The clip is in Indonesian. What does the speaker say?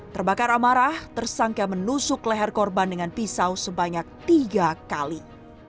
terbakar amarah tersangka menusuk leher korban dengan pisau sebanyak tiga kali